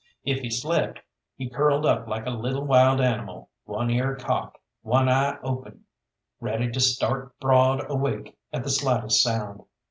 If he slept, he curled up like a little wild animal, one ear cocked, one eye open, ready to start broad awake at the slightest sound.